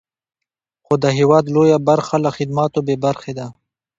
خو د هېواد لویه برخه له خدماتو بې برخې ده.